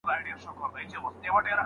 هغه څوک چي غوسه کنټرول کړي، بريالی دی.